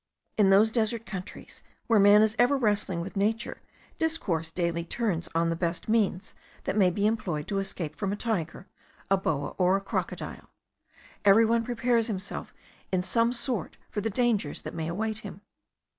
In those desert countries, where man is ever wrestling with nature, discourse daily turns on the best means that may be employed to escape from a tiger, a boa, or a crocodile; every one prepares himself in some sort for the dangers that may await him.